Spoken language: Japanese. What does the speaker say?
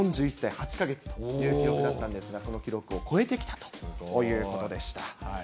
４１歳８か月という記録だったんですが、その記録を超えてきたということでした。